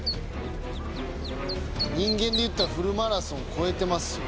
人間で言ったらフルマラソン超えてますよね。